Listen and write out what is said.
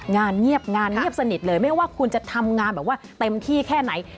งานเงียบงานเงียบสนิทเลยไม่ว่าคุณจะทำงานแบบว่าเต็มที่แค่ไหน